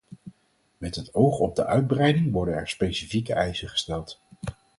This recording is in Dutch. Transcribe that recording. Met het oog op de uitbreiding worden er specifieke eisen gesteld.